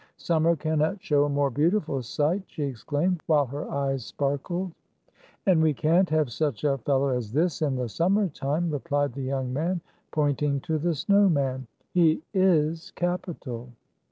" Summer cannot show a more beautiful sight," she exclaimed, while her eyes sparkled. "And we can't have such a fellow as this in the summer time," replied the young man, point ing to the snow man. "He is capital."